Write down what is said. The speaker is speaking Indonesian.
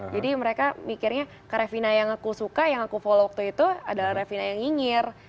jadi mereka mikirnya karevina yang aku suka yang aku follow waktu itu adalah revina yang ngingir